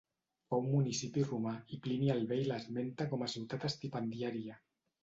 Fou municipi romà i Plini el vell l'esmenta com a ciutat estipendiària.